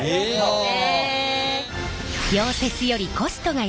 へえ！